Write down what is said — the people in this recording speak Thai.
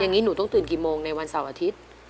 อย่างนี้หนูต้องตื่นกี่โมงในวันเสาร์อาทิตย์